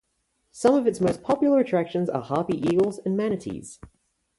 Some of its most popular attractions are harpy eagles and manatees.